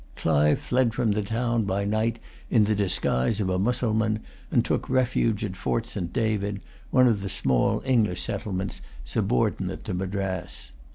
Clive fled from the town by night in the disguise of a Mussulman, and took refuge at Fort St. David, one of the small English settlements subordinate to Madras.